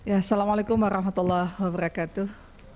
assalamu alaikum warahmatullahi wabarakatuh